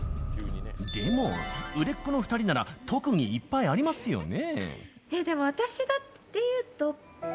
でも売れっ子の２人なら特技いっぱいありますよね？